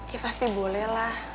ya pasti boleh lah